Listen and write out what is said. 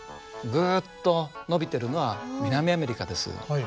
ぐっと伸びてるのは南アメリカです。